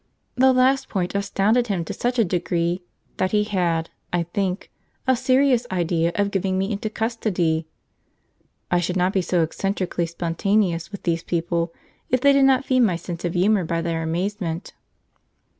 The last point astounded him to such a degree that he had, I think, a serious idea of giving me into custody. (I should not be so eccentrically spontaneous with these people, if they did not feed my sense of humour by their amazement.)